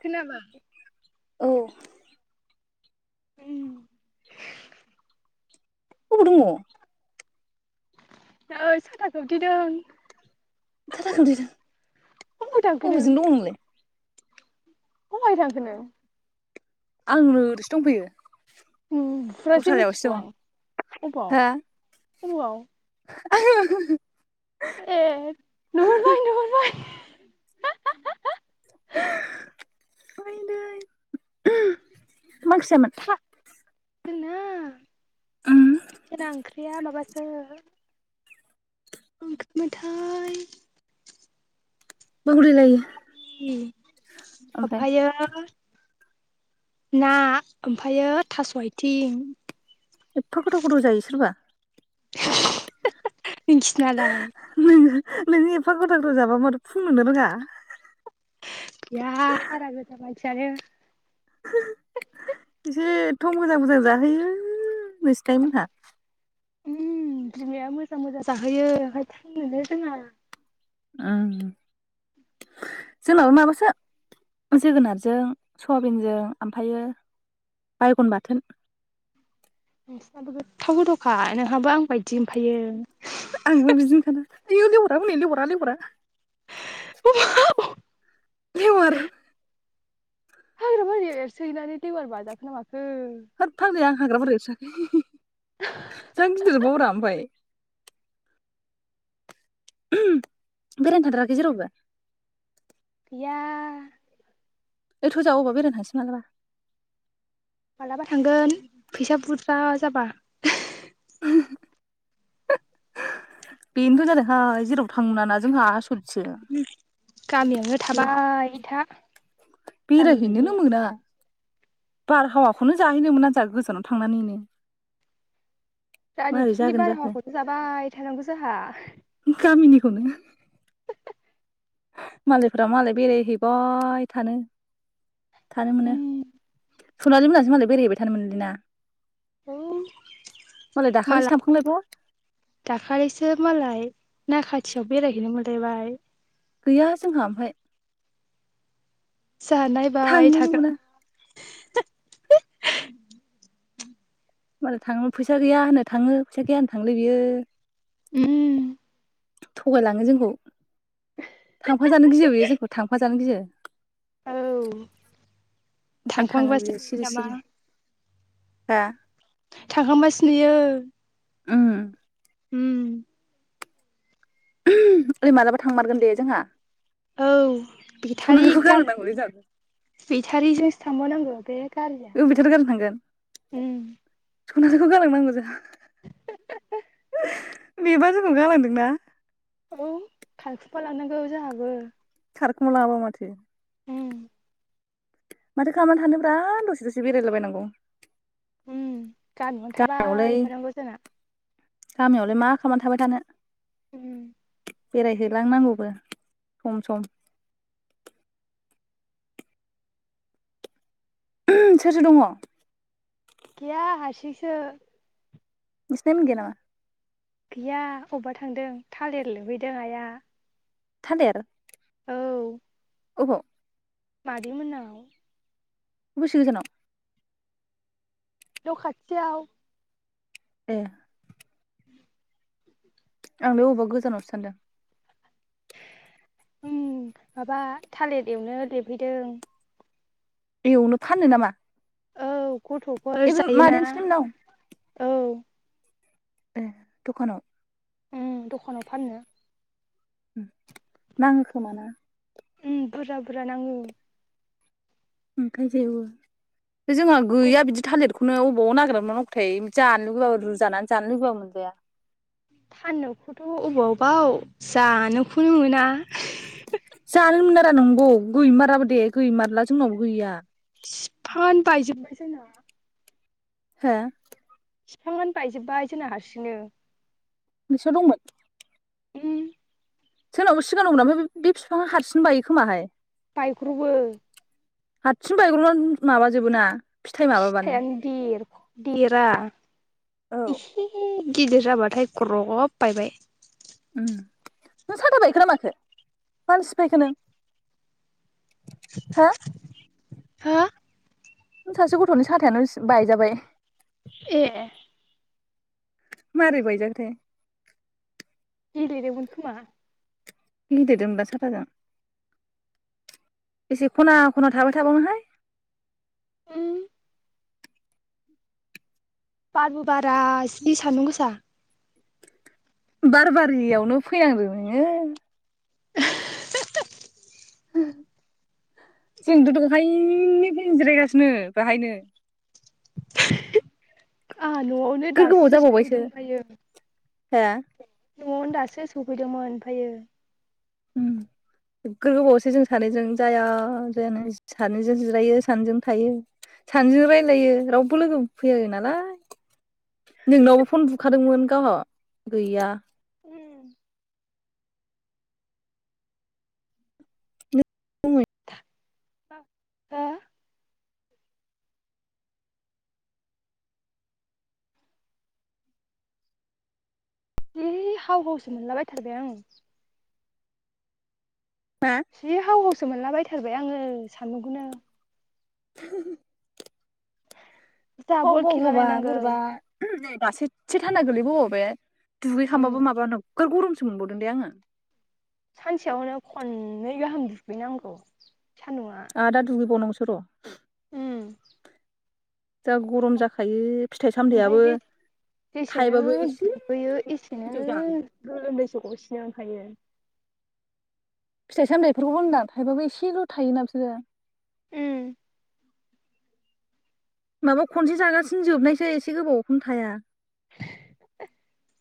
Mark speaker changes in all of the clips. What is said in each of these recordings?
Speaker 1: खोनाबाय।
Speaker 2: औ
Speaker 1: उम
Speaker 2: अबाव दङ?
Speaker 1: नै साथा खोबथेदों।
Speaker 2: साथा खोबथेदों
Speaker 1: अबाव थांखो
Speaker 2: अबेजों दं नोंलाय?
Speaker 1: अबाव थांखो नों?
Speaker 2: आं नो ओरैसो दंफैयो।
Speaker 1: नुहरासो
Speaker 2: दस्रायावसो
Speaker 1: मिथिगौ
Speaker 2: दं
Speaker 1: आं अबाव
Speaker 2: हा
Speaker 1: [unintelligible]
Speaker 2: [unintelligible]
Speaker 1: ए नुहुरबाय नुहुरबाय।
Speaker 2: आयदै मा ओंख्रि
Speaker 1: था
Speaker 2: जायामोन?
Speaker 1: जोंना
Speaker 2: उम
Speaker 1: जोंना आंख्रिया माबासो ओंख्रि मोन थाय
Speaker 2: बाव लायलायो
Speaker 1: आमफायो ना ओमफायो थास' आथिं
Speaker 2: एफफा गोदाव गोथाव जायो सोरबा
Speaker 1: नोंसिनालाय
Speaker 2: नोंओ नोंनि एफा गोथाव गोथाव जाबाबो माथो फुंनो नो रोङा।
Speaker 1: गैया हारा गोजा मानसियानो
Speaker 2: एसेथ' मोजां मोजां जाहोयो नोंसिनि आयमोनहा।
Speaker 1: ओम बिमाया मोजां मोजां जाहोयो ओंखाय थां नोनो रोङा
Speaker 2: ओम जोंनाबो माबासो जोगोनारजों सयाबिनजों ओमफायो बायगन बाथोन।
Speaker 1: नोंसिनाबो गोथाव गोथावखा नोंहाबो आं बायदि ओमफायो
Speaker 2: आंबो बिदिनोखा आइयो लेवारा हनै लेवारा लेवारा
Speaker 1: [unintelligible]
Speaker 2: लेवार
Speaker 1: हाग्रा बारिआव एरसोहैनानै लेवार बाजाखो ना माखो
Speaker 2: होद फाग्लाया आं [unintelligible] जा गिदिर बाव रा ओमफाय ओम बेरायनो थांथाराखै जेरावबो?
Speaker 1: गैया
Speaker 2: ओइ थ' जोंहा बेरायनो थांसै मालाबा
Speaker 1: मालाबा थांगोन फैसा बुरजा जाबा
Speaker 2: बेनोथ' जादोंहाय जेरावबो थांनो मोना ना जोंहा आसरिथ
Speaker 1: गामियावनो थाबाय था गामि बायदि
Speaker 2: बेरायहैनोनो मोना बारहावाखौनो जाहैनोमोना जाह गोजानाव थांनानैनो
Speaker 1: गारि
Speaker 2: मारै
Speaker 1: खिफिनि
Speaker 2: जागोन जाखो
Speaker 1: बारहावाखौसो जाबाय थानांगौ जोंहा
Speaker 2: [unintelligible] मालायफोरा मालाय बेरायहैबाय थानो थानो मोनो।
Speaker 1: उम
Speaker 2: सनालि मोनासो मालाय बेरायहैबाय थानो मोनोलै ना?
Speaker 1: औ
Speaker 2: मालाय दाखालिसो
Speaker 1: माला
Speaker 2: थांखांलायबाय
Speaker 1: दाखालिसो मालाय ना खाथियाव बेरायहैनो मोनलायबाय
Speaker 2: गैया जोंहा ओमफाय
Speaker 1: जा नायबाय थागोन [unintelligible]
Speaker 2: होमबालाय थाङो फैसा गैया होनो थाङो फैसा गैया होनो थांलै बियो
Speaker 1: उम
Speaker 2: थगायलाङो जोंखौ थांफाजानो गियो बेयो जोंखौ थांफा जानो गियो
Speaker 1: औ
Speaker 2: ओंखायनो थाङो
Speaker 1: थांखांबासो
Speaker 2: बियो सिरि
Speaker 1: नामा
Speaker 2: सिरि हा
Speaker 1: थांखांबासो नुयो
Speaker 2: उम
Speaker 1: हम
Speaker 2: ओइ मालाबा थांमारगोन दे जोंहा।
Speaker 1: औ बेटारि
Speaker 2: सनालिखौ
Speaker 1: गारि
Speaker 2: गालांनांगौलै जों
Speaker 1: बेटारिजोंसो थांबावनांगौ बे गारिया
Speaker 2: बबेथार
Speaker 1: उम
Speaker 2: सनाखौ गालांनांगौ जोंहा [unintelligible]
Speaker 1: [unintelligible]
Speaker 2: बेबा जोंखौ गालांदोंना।
Speaker 1: औ खारखुमा लानांगौ जोंहाबो।
Speaker 2: खारखोमालांआबा माथो।
Speaker 1: उम
Speaker 2: माथो खालामनानै थानोब्रा दसे-दसे बेरायलाबायनांगौ।
Speaker 1: उम गामि आवनो
Speaker 2: गामियावलाय
Speaker 1: थाबाय थानांगौ जोङा।
Speaker 2: गामियावलाय मा खामनानै थाबाय थानो।
Speaker 1: उम
Speaker 2: बेरायहोलांनांगौबो सम-सम। सोर-सोर दङ।
Speaker 1: गैया हारसिंसो।
Speaker 2: नोंसिनि आइ मोन गोया नामा?
Speaker 1: गैया औबा थांदों थालिर लुहैदों आइआ।
Speaker 2: थालेर। ओबाव?
Speaker 1: मादै मोनाव।
Speaker 2: बेसे गोजानाव?
Speaker 1: न' खाथियाव।
Speaker 2: ए। आंलाय औबा गोजानावसो सानदों।
Speaker 1: उम माबा थालित एवनो [unintelligible] हैदों।
Speaker 2: एवनो फान्नो नामा?
Speaker 1: औ गथ'फोर
Speaker 2: ए बे
Speaker 1: जायोना।
Speaker 2: मादैनिसोलै मोननाव
Speaker 1: औ।
Speaker 2: ए दखानाव।
Speaker 1: उम दखानाव फाननो।
Speaker 2: उम नाङो खोमा ना?
Speaker 1: उम बुरजा-बुरजा नाङो।
Speaker 2: ओमफ्राय जेवो। बे जोंहा
Speaker 1: गथ'
Speaker 2: गैया बिदि थालिर। खौनो अबाव नागिरदना मोनबाव नांगौ थाय। जानो लुगैबाबो रुजानान जानो लुगैबाबो मोन गैया।
Speaker 1: फाननोखौथ' अबावबाव जानोखौनो मोना।
Speaker 2: जानो मोनारा नंगौ गैमाराबो दे गैमारला जोंनावबो गैया।
Speaker 1: फिफांआनो बायजोबबाय जोंना।
Speaker 2: हो?
Speaker 1: फिफांआनो बायजोब्बाय जोंना हारसिंनो।
Speaker 2: नोंसिनाव दंमोन?
Speaker 1: उम।
Speaker 2: जोंनाव बो सिगां दंमोन ओमफाय बे फिफांआ हारसिंनो बायो खोमाहाय।
Speaker 1: बायग्रबो।
Speaker 2: हातसिं बायग्र'नानै माबाजोबो ना। फिथाइ माबाबानो
Speaker 1: फिथायानो देर देरा।
Speaker 2: औ
Speaker 1: एसे गिदिर जाबाथाय ग्रब बायबाय।
Speaker 2: उम नों साथा बायखोना माखो मानो सिफायखो नों हो?
Speaker 1: हो
Speaker 2: सासे गथ'नि साथायानो बायजाबाय।
Speaker 1: ए।
Speaker 2: मारै बायजाखोथाय।
Speaker 1: गेलेदोंमोन खोमा।
Speaker 2: गेलेदोंबा साथाजों बेसे खना खना थाबाय थाबावनोहाय।
Speaker 1: ओम। बारबो बारा जि सान्दुं गोसा।
Speaker 2: बारबारियावनो फैनांदों नोङो। जोंथ' दंहायनिफ्राय जिरायगासिनो बाहायनो।
Speaker 1: आंहा न'आवनो
Speaker 2: नोगोर गोबाव
Speaker 1: दासो
Speaker 2: जाबावबायसो
Speaker 1: सोवफैदों
Speaker 2: हो
Speaker 1: ओमफायु न'आवनो दासो सौफै फैदोंमोन ओमफ्रायो
Speaker 2: उम नोगोर गोबावसै जों सानैजों जाया जायानो सानैजों जिरायो सानैजों थायो सानैजों रायलायो रावबो लोगो फैयाबो नालाय नोंनावबो फन बुखादोंमोन गावहा गैया।
Speaker 1: हो
Speaker 2: उम।
Speaker 1: हो है हाव हावसो मोनलाबायथारबाय आं।
Speaker 2: नोंना
Speaker 1: जि हाव हावसो मोनलाबायथार बाय आङो सानदुंखोनो।
Speaker 2: [unintelligible]
Speaker 1: जा
Speaker 2: हाव
Speaker 1: बल
Speaker 2: हाव
Speaker 1: खेला
Speaker 2: हावबा
Speaker 1: नायनांगौ
Speaker 2: बोरैबा। दासो एसे थान्दा गोलैबोबावबाय‌
Speaker 1: उम
Speaker 2: दुगैखांबाबो माबा नब गोर गरमसो मोनबावदों दे आङो।
Speaker 1: सानसेयावनो खननै गाहाम दुगैनांगौ। सान्दुङा
Speaker 2: आ‌ दा दुुगै बावनांगौसो। र'
Speaker 1: उम।
Speaker 2: जा गरम जाखायो। फिथाइ
Speaker 1: ओमफ्राय
Speaker 2: सामथायाइयाबो
Speaker 1: जेसेनो
Speaker 2: थाइबाबो एसेल'
Speaker 1: दुगैयो
Speaker 2: थायो नालाय दा
Speaker 1: एसेनो
Speaker 2: बायदियाव जानो
Speaker 1: गोलोमदैसो। गसेनो ओंखायो।
Speaker 2: फिथाइ सामथाइफोरखौबो होनदां थाइबाबो एसेल' थायोना बिसोरो।
Speaker 1: ओम।
Speaker 2: माबा खनसे जागासिनो जोबनायसै एसे गोबावखौनो थाया।
Speaker 1: [inaudible]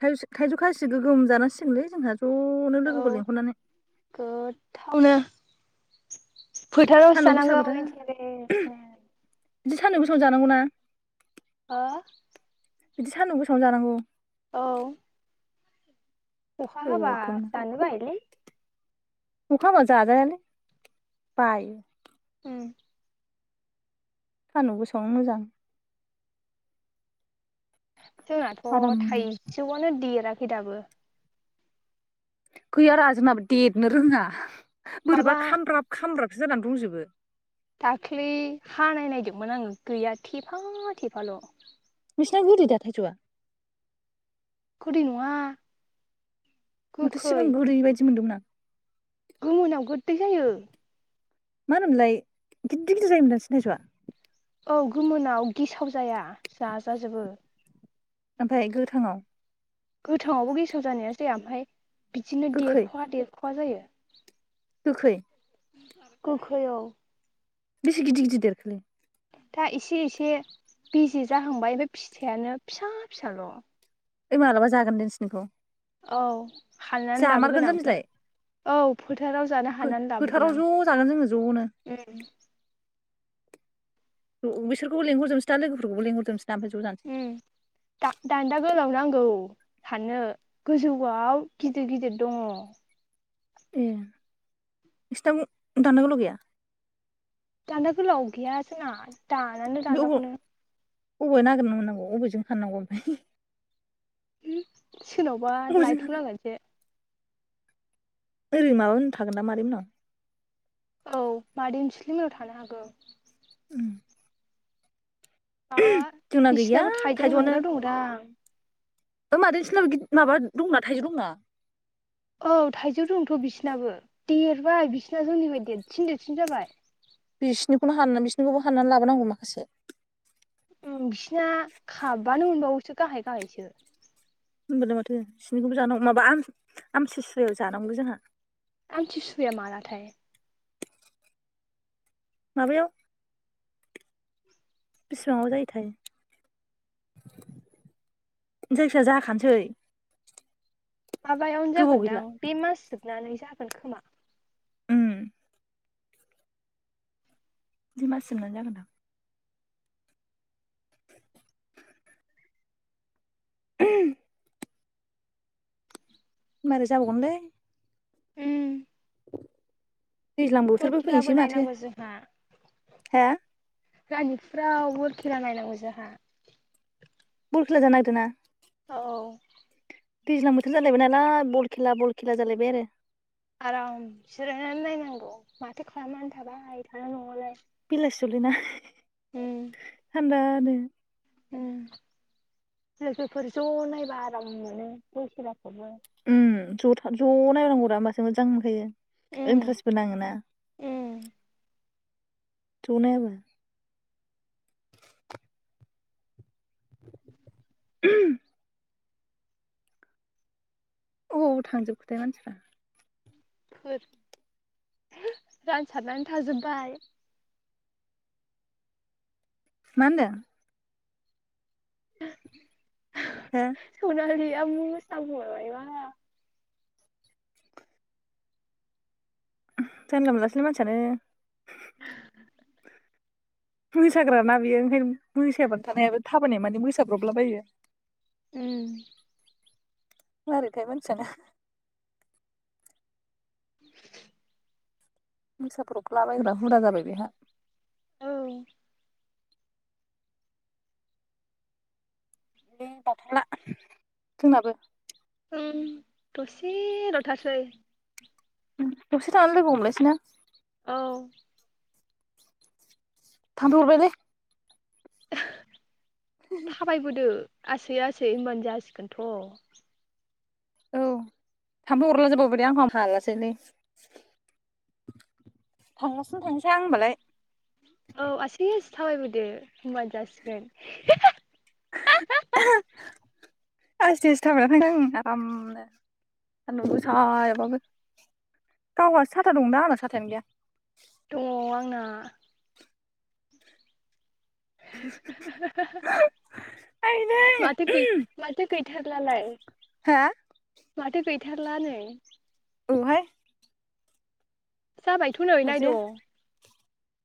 Speaker 2: थायजौ थायजौ खायसे गोगोम जानांसिगोनलै जोंहा। ज'नो
Speaker 1: औ
Speaker 2: लोगोफोर लेंहरनानै।
Speaker 1: गोथावनो फोथारावसो जानांगौ [unintelligible]
Speaker 2: बिदि सान्दुं गोसायावनो जानांगौ ना।
Speaker 1: हो
Speaker 2: बिदि सान्दुं गोसाव जानांगौ
Speaker 1: औ अखा हाबा
Speaker 2: गोगोमनो
Speaker 1: जानो बायोलै
Speaker 2: अखा हाबा जाजायालै बायो
Speaker 1: उम
Speaker 2: सानदुं गोसायावनो मोजां
Speaker 1: जोंनाथ
Speaker 2: आराम
Speaker 1: थाइजौआनो देराखै हिदाबो
Speaker 2: गैया रा जोंनाबो देरनो रोंङा बोरैबा
Speaker 1: माबा
Speaker 2: खामब्राब खामब्राब सो जानानै दंजोबो
Speaker 1: दाख्लै हानाय नायदोंमोन आंङो गैया थेफा थेफाल
Speaker 2: नोंसिना गोदैदा थाइजौआ
Speaker 1: गोदै नङा
Speaker 2: माथो सिगां गोदै बायदि मोनदोंमोन आं।
Speaker 1: गुमोनाव गोददै जायो।
Speaker 2: मा होनोमोनलाय गिदिर -गिदिर जायोमोनदां नोंसोरनि थाइजौआ।
Speaker 1: औ गोमोनाव गेसाव जाया जाजाजोबो।
Speaker 2: ओमफ्राय गोथांआव।
Speaker 1: गोथाङावबो गेसाव जानाया जाया ओमफ्राय बिदिनो
Speaker 2: गोखै
Speaker 1: देरखवा -देरखवा खहा जायो।
Speaker 2: गोखै
Speaker 1: गोखै औ।
Speaker 2: बेसे गिदिर -गिदिर देरखोलै।
Speaker 1: दा एसे- एसे बेजि जाहांबाय ओमफ्राय फिथाइ आनो फिसा- फिसाल'।
Speaker 2: ओइ मालाबा जागोन नोंसोरनिखौ।
Speaker 1: औ। हाननानै लाबोगोन आं
Speaker 2: जामबिलाय
Speaker 1: औ फोथाराव जानो हानानै
Speaker 2: फोथाराव
Speaker 1: लाबोगोन आं।
Speaker 2: ज' जागोन जोङो ज'नो
Speaker 1: अम
Speaker 2: बिसोरखौ लेंहरजोबसै दा लोगोफोरखौबो लेंहरजोबसै
Speaker 1: उम दा-दान्दा गोलाव नां औ हाननो गोजौआव गिदिर -गिदिर दङ।
Speaker 2: ए नोंसिनाव दान्दा गोलाव गैया?
Speaker 1: दान्दा गोलाव गैया जोंना। दानानो दान्दा खौनो।
Speaker 2: बबे नागिरना मोननांगौ अबेजों हाननांगौ ओमफ्राय
Speaker 1: सोरनावबा
Speaker 2: अबेजों
Speaker 1: लायथ
Speaker 2: हानांगौ
Speaker 1: नांगोनसो।
Speaker 2: ओरैनो माबा मोननाव थागोन दा मादै मोननाव।
Speaker 1: औ मादै अनसुलि मोननाव थानो हागौ। माबा
Speaker 2: जोंना गैया
Speaker 1: बिसिनाबो थाइजौ
Speaker 2: थाइजौआनो
Speaker 1: हानग्रा दंदां।
Speaker 2: मादै सोरनाबो माबा दंना थाइजौ दंना।
Speaker 1: औ थाइजौ दंथ' बिसिनाबो देरबाय बिसिना जोंनिफ्राय देरसिन -देरसिन जाबाय।
Speaker 2: खौनो हाननानै बिसोरनिखौबो हाननानै लाबोनांगौ माखासे।
Speaker 1: औ बिसिना खाबानो मोनबावोसो। गाहाय गाहायसो।
Speaker 2: होनबालाय माथो बिसनिखौबो जानांगौ माबा आमसु सुआयाव जानांगौ जोंहा।
Speaker 1: आमथि सुआया मालाथाय।
Speaker 2: माबायाव बिसेबांआव जायोथाय जायखिया जाखानोसै
Speaker 1: माबायावनो
Speaker 2: गोबाव गैला
Speaker 1: जागोनदां बे मास जोब जोबनानै जागोन खोमा।
Speaker 2: उम। बे मास जोबनानै जागोनदां। [unintelligible] मारै जाबावगोनलै
Speaker 1: ओम
Speaker 2: दैज्लां बोथोरबो
Speaker 1: खेलाबो
Speaker 2: फैनोसै माथो
Speaker 1: नायनांगौ जोंहा
Speaker 2: हा?
Speaker 1: रानिफुराव बल खेला नायनांगौ जोहा।
Speaker 2: बल खेला जानो नागिरदोंना
Speaker 1: औ
Speaker 2: दैज्लां बोथोर जालायबाय नालाय बल खेला बल खेला जालायबाय आरो
Speaker 1: आराम जिरायनानै नायनांगौ माथो खालामनानै थाबाय थानो न'आवलाय।
Speaker 2: बेलासियावलैना थान्दा नो
Speaker 1: ओम लोगोफोर ज' नायबा आराम मोनो [unintelligible] [unintelligible]
Speaker 2: उम ज' थ' ज' नायनांगौरा होमबासो मोजां मोनखायो
Speaker 1: उम
Speaker 2: इन्टारेस्टबो नाङो ना
Speaker 1: उम
Speaker 2: थौ नायाबो [unintelligible] अबाव थांजोबखोथाय मानसिफ्रा
Speaker 1: रानसारनानै थाजोबबाय
Speaker 2: मा होन्दों?
Speaker 1: [unintelligible]
Speaker 2: हो
Speaker 1: सनालि [unintelligible]
Speaker 2: जानला मोनलासोलै मानसियानो
Speaker 1: [unintelligible]
Speaker 2: मोसाग्राना बेयो ओंखायनो मोसायाबानो थानो हाया थाबायनाया माने मोसाब्रबलाबायो
Speaker 1: ओम
Speaker 2: मारैथाय मोनसियानो
Speaker 1: [inaudible]
Speaker 2: मोसाब्रबला बायग्रा हुदा जाबाय बेहा
Speaker 1: औ
Speaker 2: बे बाथाला जोंनाबो
Speaker 1: ओम दसे लथारसै
Speaker 2: ओम दसे थानानै लोगो हमलायसैना
Speaker 1: औ
Speaker 2: थामफै अरबायलै
Speaker 1: थाबाय बोदो आसै आसै होनबानो जासिगोनथ'
Speaker 2: औ थाम्फै अरला जोबावबायदे आंखौ हालासोलै थांगलासिनो थांनोसै हां होनबालाय
Speaker 1: औ आसै आसै थाबायबोदो होनबानो जासिगोन [unintelligible]
Speaker 2: [unintelligible] आस्थे आस्थे थाबायाखै आं आरामनो सान्दुं गोसायावबाबो गावहासो साथा दं दा आंना सथायानो गैया
Speaker 1: दङ आंना [unintelligible]
Speaker 2: आइदै
Speaker 1: माथो गै माथो गै थारलालाय
Speaker 2: हा
Speaker 1: माथो गै थारलानो
Speaker 2: औहाय
Speaker 1: जाबायथ' नै नायद'
Speaker 2: हरजाया।